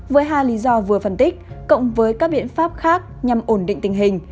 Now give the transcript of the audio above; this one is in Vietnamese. với hai lý do vừa phân tích cộng với các biện pháp khác nhằm ổn định tình hình